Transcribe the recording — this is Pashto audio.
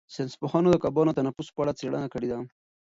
ساینس پوهانو د کبانو د تنفس په اړه څېړنه کړې ده.